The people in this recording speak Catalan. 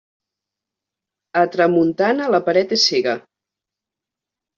A tramuntana la paret és cega.